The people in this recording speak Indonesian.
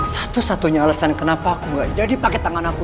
satu satunya alasan kenapa aku gak jadi pakai tangan aku